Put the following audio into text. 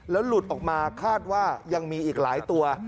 หลุดออกมาคาดว่ายังมีอีกหลายตัว